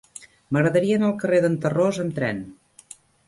M'agradaria anar al carrer d'en Tarròs amb tren.